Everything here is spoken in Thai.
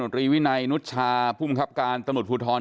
ผลรีวินัยนุชชาผู้มีความคิดการตนุษย์ภูทร